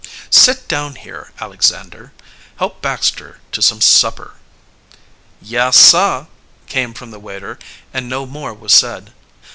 "Sit down here. Alexander, help Baxter to some supper." "Yes, sah," came from the waiter; and no more was said.